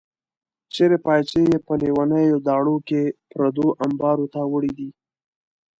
څېرې پایڅې یې په لیونیو داړو کې پردو امبارو ته وړې دي.